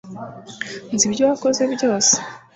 nzi ibyo wakoze byose